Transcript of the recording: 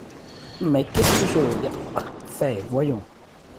Mais qu’est-ce que je… yupp ! fais, voyons ?